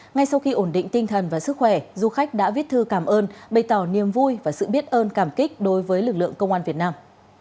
ngay sau khi ổn định tinh thần và sức khỏe du khách đã viết thư cảm ơn bày tỏ niềm vui và sự biết ơn cảm kích đối với lực lượng công an việt nam